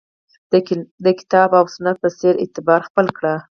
د کتاب او سنت په څېر اعتبار خپل کړ